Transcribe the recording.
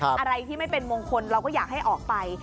อะไรที่ไม่เป็นมงคลเราก็อยากให้ออกไป